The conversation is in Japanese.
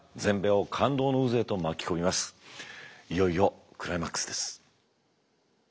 いよいよクライマックスです。